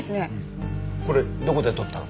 これどこで撮ったの？